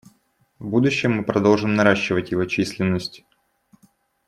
В будущем мы продолжим наращивать его численность.